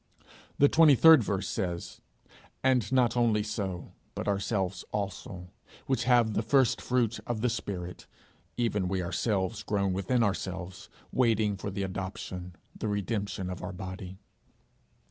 The 23rd verse says, 'And not only so, but ourselves also, which have the first fruits of the spirit, even we ourselves groan within ourselves, waiting for adoption, the redemption of our body.'